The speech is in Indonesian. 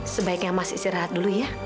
sebaiknya masih istirahat dulu ya